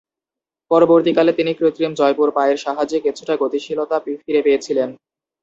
পরবর্তীকালে তিনি কৃত্রিম জয়পুর পায়ের সাহায্যে কিছুটা গতিশীলতা ফিরে পেয়েছিলেন।